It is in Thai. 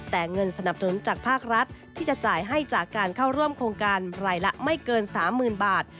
แต่เงินสนับสนุนจากภาครัฐที่จะจ่ายให้จากการเข้าร่วมโครงการรายละไม่เกิน๓๐๐๐บาท